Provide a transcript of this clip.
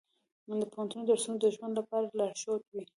د پوهنتون درسونه د ژوند لپاره لارښود وي.